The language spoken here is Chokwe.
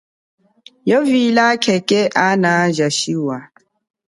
Avila khekhe ana a shiwa.